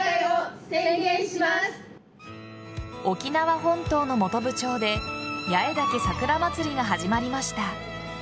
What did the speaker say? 沖縄本島の本部町で八重岳桜まつりが始まりました。